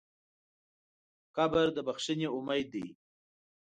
قبر د بښنې امید دی.